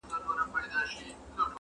نمک خور دي له عمرونو د دبار یم!